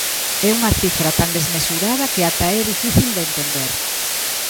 É unha cifra tan desmesurada que ata é difícil de entender.